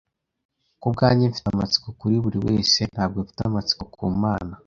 Kubwanjye mfite amatsiko kuri buri wese ntabwo mfite amatsiko ku Mana,